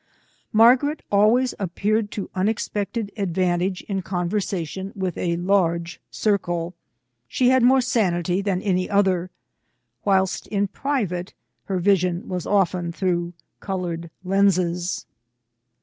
Margaret always appeared to unexpected advantage in conversation with a large circle. She had more sanity than any other ; whilst, in private, her vision was often through coloured lenses.